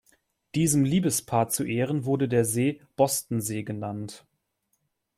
Diesem Liebespaar zu Ehren wurde der See Bosten-See genannt.